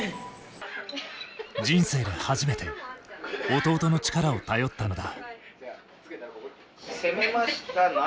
人生で初めて弟の力を頼ったのだ。